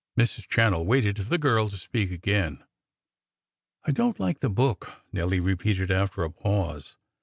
Mrs. Channell waited for the girl to speak again. "I don't like the book," Nelly repeated, after a pause.